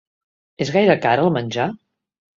És gaire car el menjar?